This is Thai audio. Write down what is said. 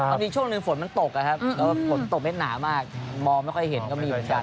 มันมีช่วงหนึ่งฝนมันตกอะครับแล้วฝนตกไม่หนามากมองไม่ค่อยเห็นก็มีเหมือนกัน